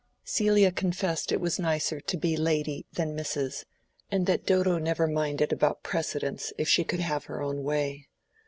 Celia confessed it was nicer to be "Lady" than "Mrs.," and that Dodo never minded about precedence if she could have her own way.